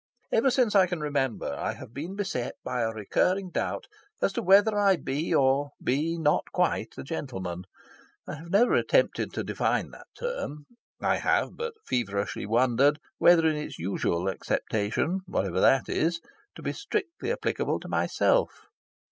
Ever since I can remember, I have been beset by a recurring doubt as to whether I be or be not quite a gentleman. I have never attempted to define that term: I have but feverishly wondered whether in its usual acceptation (whatever that is) it be strictly applicable to myself.